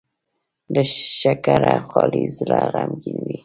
له شکره خالي زړه غمګين وي.